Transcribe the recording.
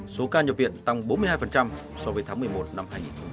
số ca nhập viện tăng bốn mươi hai so với tháng một mươi một năm hai nghìn một mươi tám